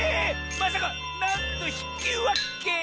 まさかなんとひきわけ！